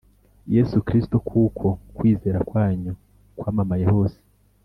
Yesu Kristo kuko kwizera kwanyu kwamamaye hose